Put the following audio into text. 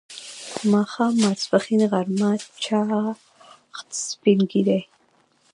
ماښام، ماپښین، غرمه، چاښت، سپین ږیری